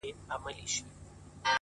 • یو په نوم د خلیفه خوري خیراتونه ,